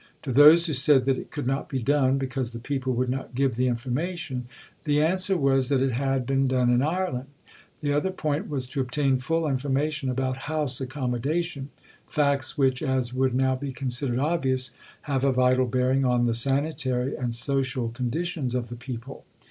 To those who said that it could not be done, because the people would not give the information, the answer was that it had been done in Ireland. The other point was to obtain full information about house accommodation; facts which, as would now be considered obvious, have a vital bearing on the sanitary and social conditions of the people.